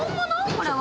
これは。